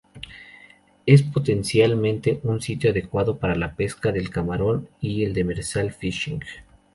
Es potencialmente un sitio adecuado para la pesca del camarón y el demersal fishing.